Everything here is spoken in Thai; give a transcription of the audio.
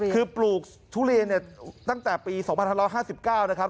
คือปลูกทุเรียนตั้งแต่ปี๒๕๕๙นะครับ